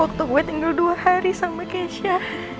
waktu gue tinggal dua hari sama keisha